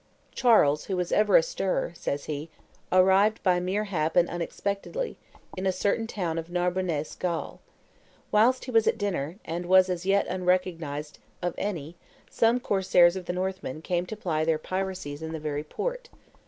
"Charles, who was ever astir," says he, "arrived by mere hap and unexpectedly, in a certain town of Narbonnese Gaul. Whilst he was at dinner, and was as yet unrecognized of any, some corsairs of the Northmen came to ply their piracies in the very port.